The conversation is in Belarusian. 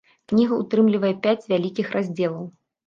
Кніга ўтрымлівае пяць вялікіх раздзелаў.